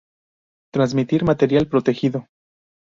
transmitir material protegido